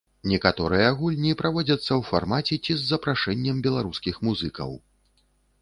Некаторыя гульні праводзяцца ў фармаце ці з запрашэннем беларускіх музыкаў.